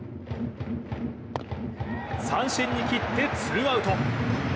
三振に切ってツーアウト。